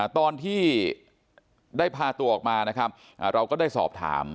ตอนที่ได้พาตัวออกมานะครับเราก็ได้สอบถาม